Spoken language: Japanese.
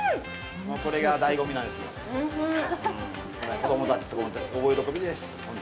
子供たちとか、大喜びで。